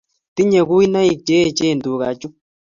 Tinyei kuinoik che echen tuga chu